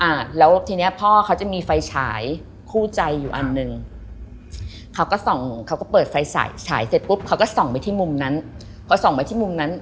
อ่าแล้วทีเนี้ยพ่อเขาจะมีไฟฉายคู่ใจอยู่อันหนึ่งเขาก็ส่องเขาก็เปิดไฟฉายฉายเสร็จปุ๊บเขาก็ส่องไปที่มุมนั้นพอส่องไปที่มุมนั้น